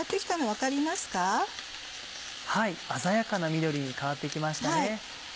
はい鮮やかな緑に変わって来ましたね。